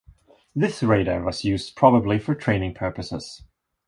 This radar was used probably for training purposes.